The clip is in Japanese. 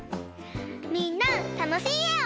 みんなたのしいえを。